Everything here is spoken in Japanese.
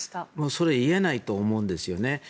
それ、言えないと思うんですよね。